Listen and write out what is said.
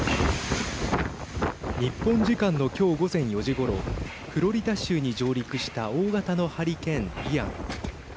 日本時間の今日午前４時ごろフロリダ州に上陸した大型のハリケーン、イアン。